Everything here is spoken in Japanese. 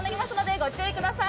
ご注意ください。